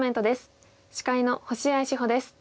司会の星合志保です。